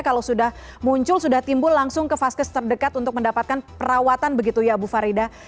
kalau sudah muncul sudah timbul langsung ke vaskes terdekat untuk mendapatkan perawatan begitu ya bu farida